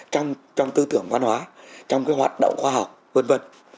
trong tư tưởng văn hóa trong cái hoạt động khoa học v v